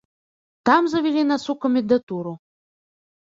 Там завялі нас у камендатуру.